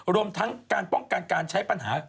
รวมทั้งการป้องกันการใช้ปัญหา